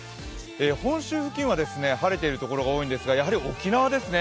本州付近は晴れている所が多いんですが、やはり沖縄ですね。